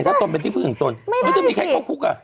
ถ้าตนเป็นที่พึ่งของตนไม่รู้จะมีใครเข้าคุกอ่ะ